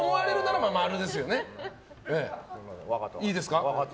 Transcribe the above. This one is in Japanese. いいですか？